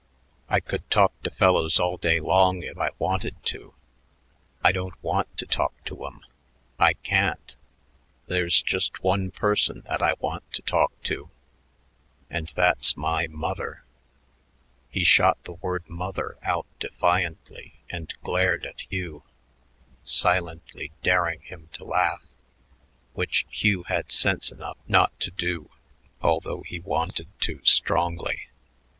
I could talk to fellows all day long if I wanted to. I don't want to talk to 'em. I can't. There's just one person that I want to talk to, and that's my mother." He shot the word "mother" out defiantly and glared at Hugh, silently daring him to laugh, which Hugh had sense enough not to do, although he wanted to strongly.